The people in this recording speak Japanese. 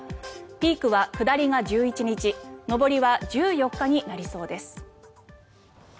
ピークは下りが１１日上りは１４日になりそうです。